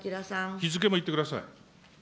日付も言ってください。